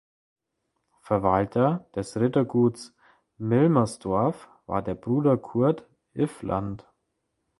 Verwalter des Rittergutes Milmersdorf war sein Bruder Kurt Iffland.